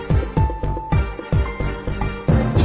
กินโทษส่องแล้วอย่างนี้ก็ได้